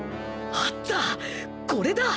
あったこれだ！